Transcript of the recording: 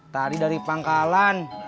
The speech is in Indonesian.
tadi dari pangkalan